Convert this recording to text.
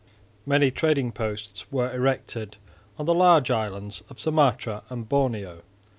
Many trading posts were erected on the large islands of Sumatra and Borneo.